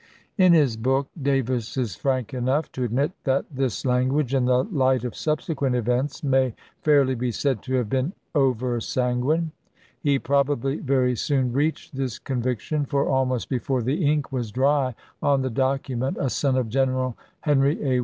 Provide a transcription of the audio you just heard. In his book, Davis is frank enough to admit that this language, in the light of subsequent events, may fairly be said to have been oversanguine. He probably very soon reached this conviction, for almost before the ink was dry on the document a son of General Henry A.